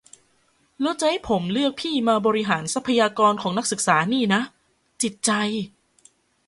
แล้วจะให้ผมเลือกพี่มาบริหารทรัพยากรของนักศึกษานี่นะ จิตใจ